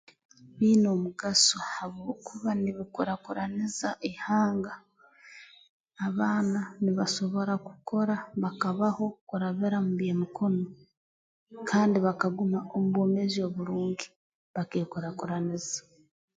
Biine omugaso habwokuba nibikurakuraniza ihanga abaana nibasobora kukora bakabaho kurabira mu by'emikono kandi bakaguma omu bwomeezi oburungi bakeekurakuraniza